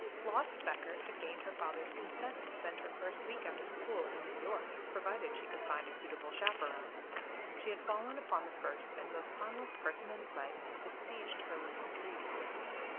Floss Speckert had gained her father's consent to spend her first week out of school in New York provided she could find a suitable chaperon. She had fallen upon the first and most harmless person in sight and besieged her with entreaties.